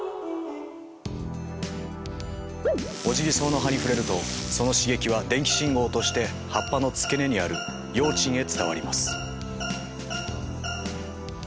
オジギソウの葉に触れるとその刺激は電気信号として葉っぱの付け根にある葉枕へ伝わります。